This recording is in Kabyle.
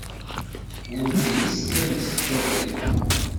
Werǧin i s-sliɣ yeskaddeb.